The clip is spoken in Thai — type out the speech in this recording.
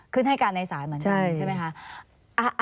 ขึ้นให้การในสารเหมือนกันใช่ไหมฮะ